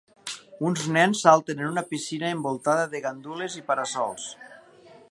Uns nens salten en una piscina envoltada de gandules i para-sols.